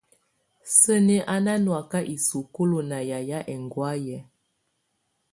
Sǝ́ni á ná nɔ́áka isukulu ná yayɛ̀á ɛŋgɔ̀áyɛ.